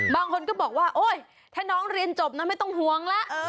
บางคนก็บอกว่าโอ๊ยถ้าน้องเรียนจบนะไม่ต้องห่วงแล้ว